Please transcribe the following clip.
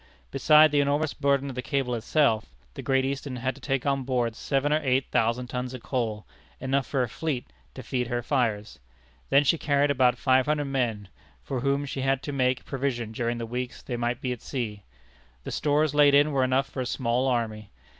Beside the enormous burden of the cable itself, the Great Eastern had to take on board seven or eight thousand tons of coal, enough for a fleet, to feed her fires. Then she carried about five hundred men, for whom she had to make provision during the weeks they might be at sea. The stores laid in were enough for a small army.